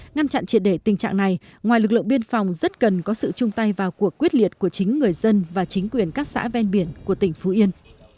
ngăn chặn triệt để tình trạng này ngoài lực lượng biên phòng rất cần có sự chung tay vào cuộc quyết liệt của chính người dân và chính quyền các xã ven biển của tỉnh phú yên